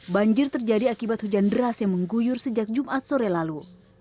banjir terjadi akibat hujan deras yang mengguyur sejak jumat sore lalu